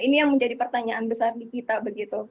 ini yang menjadi pertanyaan besar di kita begitu